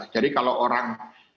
jadi kalau orang